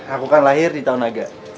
aku kan lahir di tahun naga